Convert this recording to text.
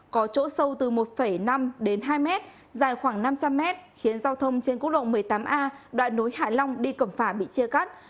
có chỗ sâu từ một năm đến hai mét dài khoảng năm trăm linh mét khiến giao thông trên quốc lộ một mươi tám a đoạn nối hạ long đi cầm phả bị chia cắt